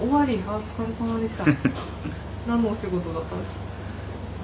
お疲れさまでした。